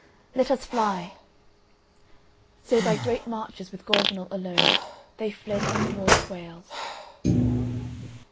Let us fly." So by great marches with Gorvenal alone they fled towards Wales.